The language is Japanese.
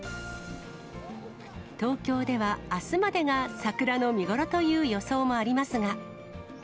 東京では、あすまでが桜の見頃という予想もありますが。